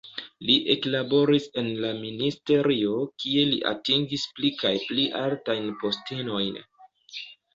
Li eklaboris en la ministerio, kie li atingis pli kaj pli altajn postenojn.